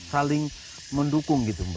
saling mendukung gitu mbak